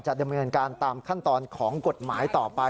ดำเนินการตามขั้นตอนของกฎหมายต่อไป